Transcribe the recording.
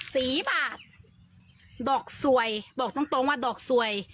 สีบาทดอกสวยบอกตรงตรงว่าดอกสวย